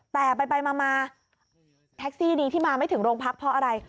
แต่ไปมาแท็กซี่ดีที่มาไม่ถึงโรงพักเพราะอะไร